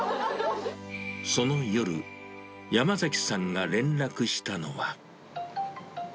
その夜、山崎さんが連絡したのは。